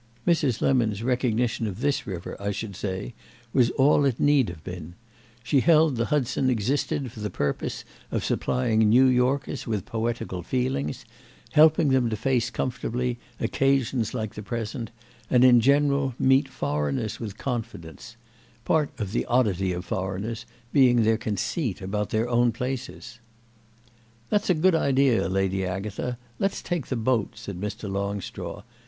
Mrs. Lemon's recognition of this river, I should say, was all it need have been; she held the Hudson existed for the purpose of supplying New Yorkers with poetical feelings, helping them to face comfortably occasions like the present and, in general, meet foreigners with confidence—part of the oddity of foreigners being their conceit about their own places. "That's a good idea, Lady Agatha; let's take the boat," said Mr. Longstraw.